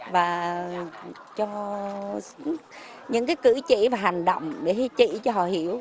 và cho những cái cử chỉ và hành động để trị cho họ hiểu